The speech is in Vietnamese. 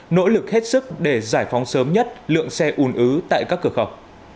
nỗ lực hết sức để giải phóng sớm nhất lượng xe ùn ứ tại các cửa khẩu